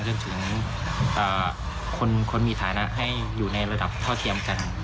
จนถึงคนมีฐานะให้อยู่ในระดับเท่าเทียมกัน